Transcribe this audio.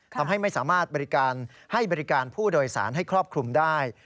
ทำให้ไม่สามารถให้บริการผู้โดยสารให้ครอบคลุมได้